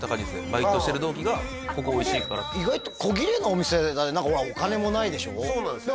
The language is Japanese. バイトしてる同期が「ここおいしいから」って意外とこぎれいなお店だね何かほらお金もないでしょそうなんです